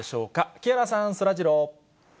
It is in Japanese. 木原さん、そらジロー。